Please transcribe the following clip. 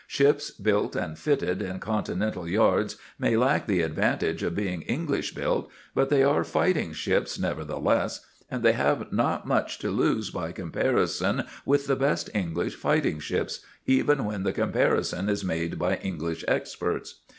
Ships built and fitted in Continental yards may lack the advantage of being English built, but they are fighting ships nevertheless, and they have not much to lose by comparison with the best English fighting ships, even when the comparison is made by English experts.